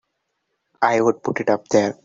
I would put it up there!